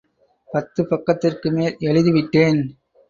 பத்து பக்கத்திற்கு மேல் எழுதி விட்டேன்.